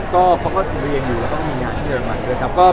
เขาเรียนอยู่มีงานที่เริ่มมาด้วยครับ